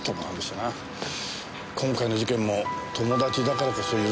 今回の事件も友達だからこそ許せない。